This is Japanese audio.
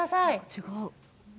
違う。